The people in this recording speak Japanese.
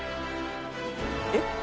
えっ？